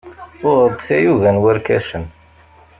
Uɣeɣ-d tayuga n warkasen.